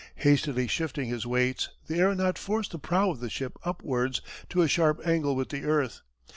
Hastily shifting his weights the aeronaut forced the prow of the ship upwards to a sharp angle with the earth.